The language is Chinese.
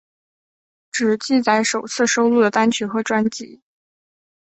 只记载首次收录的单曲和专辑。